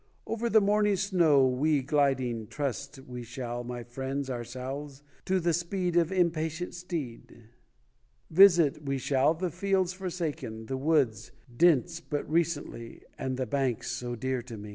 Over the morning snow we gliding, Trust we shall, my friend, ourselves To the speed of impatient steed; Visit we shall the fields forsaken, The woods, dense but recently, And the banks so dear to me.